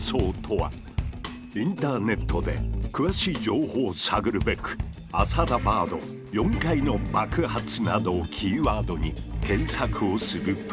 インターネットで詳しい情報を探るべく「アサダバード」「４回の爆発」などをキーワードに検索をすると。